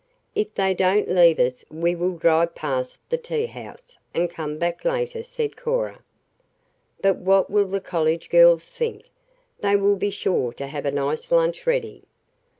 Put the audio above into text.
"If they don't leave us we will drive past the teahouse, and come back later," said Cora. "But what will the college girls think? They will be sure to have a nice lunch ready."